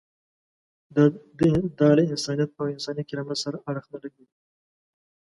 دا له انسانیت او انساني کرامت سره اړخ نه لګوي.